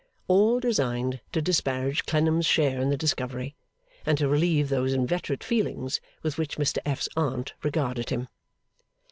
all designed to disparage Clennam's share in the discovery, and to relieve those inveterate feelings with which Mr F.'s Aunt regarded him.